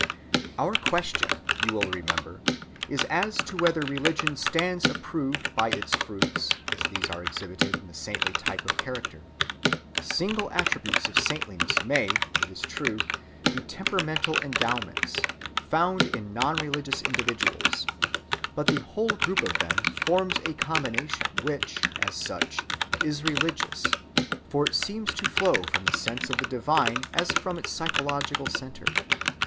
Our question, you will remember, is as to whether religion stands approved by its fruits, as these are exhibited in the saintly type of character. Single attributes of saintliness may, it is true, be temperamental endowments, found in non‐religious individuals. But the whole group of them forms a combination which, as such, is religious, for it seems to flow from the sense of the divine as from its psychological centre.